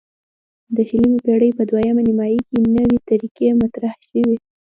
د شلمې پیړۍ په دویمه نیمایي کې نوې طریقې مطرح شوې.